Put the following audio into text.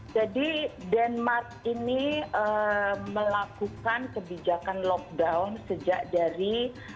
jadi denmark ini melakukan kebijakan lockdown sejak dari